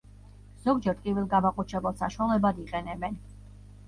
ზოგჯერ ტკივილგამაყუჩებელ საშუალებად იყენებენ.